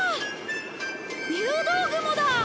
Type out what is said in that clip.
入道雲だ。